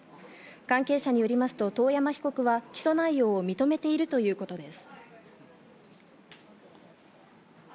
関係者によりますと、遠山被告は起訴内容を認めているということです。